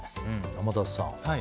天達さん。